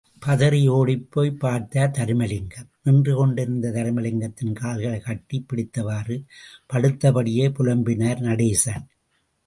பதறி ஓடிப் போய் பார்த்தார் தருமலிங்கம், நின்று கொண்டிருந்த தருமலிங்கத்தின் கால்களைக் கட்டிப் பிடித்தவாறு படுத்தபடியே புலம்பினார் நடேசன்.